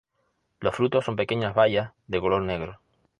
Los frutos son pequeñas bayas de color negro.